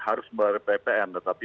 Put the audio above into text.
harus ber ppn tetapi